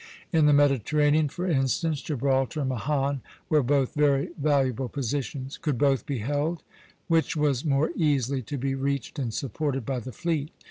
In the Mediterranean, for instance, Gibraltar and Mahon were both very valuable positions. Could both be held? Which was more easily to be reached and supported by the fleet?